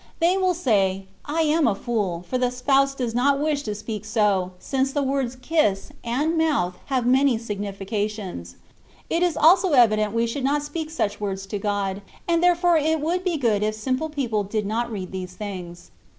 They will say, "I am a fool; for the Spouse does not wish to speak so, since the words ' kiss ' and ^ mouth ' have many significations : it is also evident we should not speak such words to God, and therefore it would be good if simple people did not read these things."